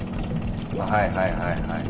はいはいはいはい。